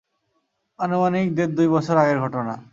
আনুমানিক দেড়-দুই বছর আগের ঘটনা।